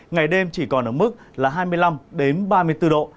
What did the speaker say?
ngày đêm chỉ còn ở mức là hai mươi năm ba mươi bốn độ